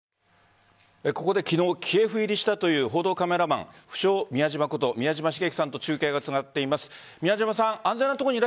ここで昨日キエフ入りしたという報道カメラマン不肖・宮嶋こと宮嶋茂樹さんと中継がつながっています。